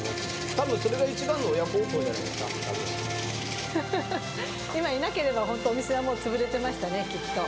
たぶんそれが一番の親孝行じゃなふふふ、今、いなければ本当、お店はもう潰れてましたね、きっと。